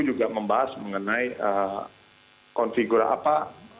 juga membahas mengenai konfigurasi apa